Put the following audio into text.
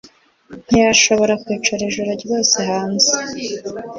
ntiyashobora kwicara ijoro ryose hanze